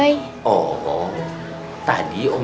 bapak febri nanti mau pulang kesini om